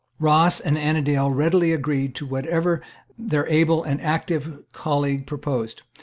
Ross and Annandale readily agreed to whatever their able and active colleague proposed.